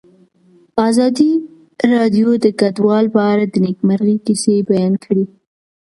ازادي راډیو د کډوال په اړه د نېکمرغۍ کیسې بیان کړې.